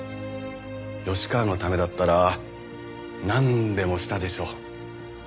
吉川のためだったらなんでもしたでしょう。